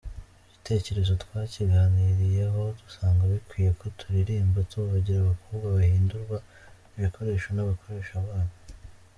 Icyo gitekerezo twakiganiriyeho dusanga bikwiye ko turirimba tuvugira abakobwa bahindurwa ibikoresho n’abakoresha babo.